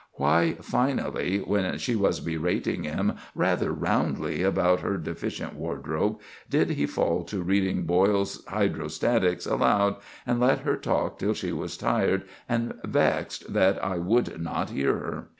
Why, finally, when she was berating him rather roundly about her deficient wardrobe, did he fall to reading Boyle's "Hydrostatics" aloud, "and let her talk till she was tired, and vexed that I would not hear her"?